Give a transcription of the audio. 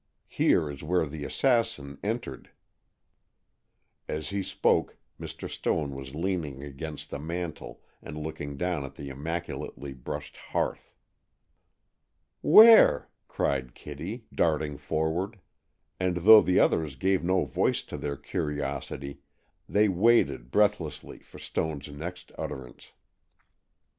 Here is where the assassin entered." As he spoke Mr. Stone was leaning against the mantel and looking down at the immaculately brushed hearth. "Where?" cried Kitty, darting forward, and though the others gave no voice to their curiosity, they waited breathlessly for Stone's next utterance.